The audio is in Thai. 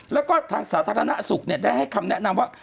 แล้วก็ทางสาธารณสุขได้ให้คำแนะนำว่า